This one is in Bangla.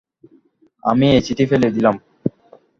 আমি এই চিঠি ফেলে দিলাম।